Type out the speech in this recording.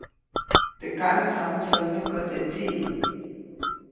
Teʼ kaʼŋis jamusäʼuŋ nyukä teʼ tsiʼ.